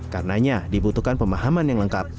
karenanya dibutuhkan pemahaman yang lengkap